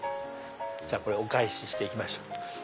これお返しして行きましょう。